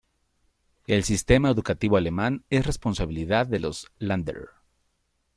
El sistema educativo alemán es responsabilidad de los "Länder".